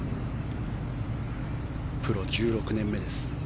プロ１６年目です。